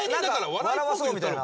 笑わそうみたいな。